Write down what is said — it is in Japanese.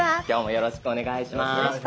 よろしくお願いします。